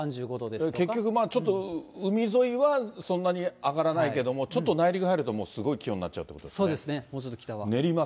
結局、ちょっと海沿いはそんなに上がらないけども、ちょっと内陸入るとすごい気温になっちゃそうですね。